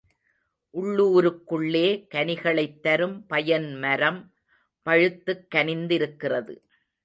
உள்ளூருக்குள்ளே, கனிகளைத்தரும் பயன்மரம் பழுத்துக் கனிந்திருக்கிறது.